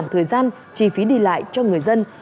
thời gian chi phí đi lại cho người dân